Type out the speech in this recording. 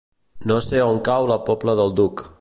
No sé on cau la Pobla del Duc.